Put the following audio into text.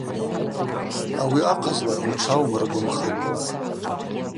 Ауи ахъазла учва умыргвымхан.